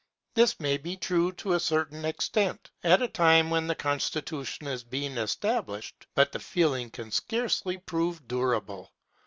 This may be true to a certain extent, at a time when the constitution is being established, but the feeling can scarcely prove durable.